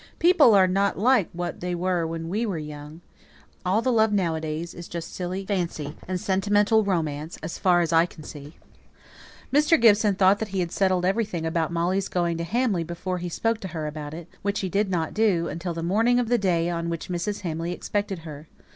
People aren't like what they were when we were young. All the love nowadays is just silly fancy, and sentimental romance, as far as I can see." Mr. Gibson thought that he had settled everything about Molly's going to Hamley before he spoke to her about it, which he did not do, until the morning of the day on which Mrs. Hamley expected her.